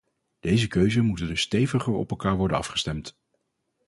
Deze keuzen moeten dus steviger op elkaar worden afgestemd.